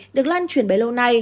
được lan truyền bấy lâu nay